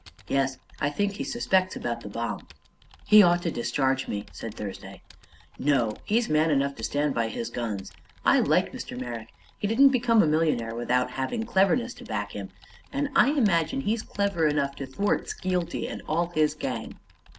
"Yes. I think he suspects about the bomb." "He ought to discharge me," said Thursday. "No; he's man enough to stand by his guns. I like Mr. Merrick. He didn't become a millionaire without having cleverness to back him and I imagine he is clever enough to thwart Skeelty and all his gang."